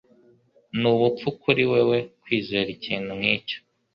Ni ubupfu kuri wewe kwizera ikintu nkicyo